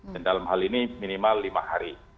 dan dalam hal ini minimal lima hari